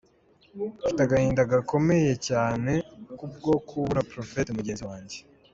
Ati: “Mfite agahinda gakomeye cyane kubwo kubura Prophet mugenzi wange.”